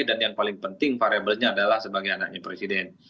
dan yang paling penting variable nya adalah sebagai anaknya presiden